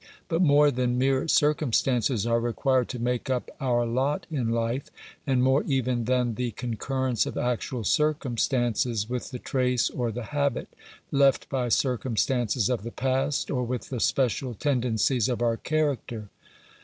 But more than mere circumstances are required to make up our lot in life, and more even than the concurrence of actual circumstances with the trace or the habit left by circum stances of the past, or with the special tendencies of our character.